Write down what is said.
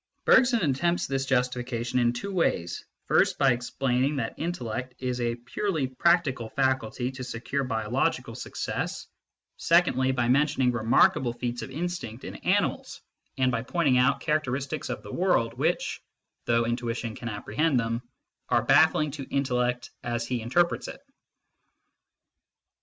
Bergson attempts this justification in two ways, first by explaining that intellect is a purely practical faculty to secure biological success, 1 Introduction to Metaphysics, p. A. MYSTICISM AND LOGIC 15 secondly by mentioning remarkable feats of instinct in animals and by pointing out characteristics of the world which, though intuition can apprehend them, are baffling to intellect as he interprets it.